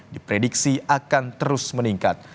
diprediksi akan terus meningkat